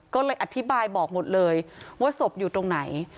ก็เลยอธิบายบอกหมดเลยว่าศพอยู่ตรงไหน